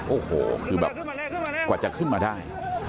โอ้โหคือแบบกว่าจะขึ้นมาได้